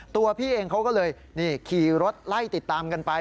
ตัวพี่เองเขาก็เลยขี่รถไล่ติดตามกันไป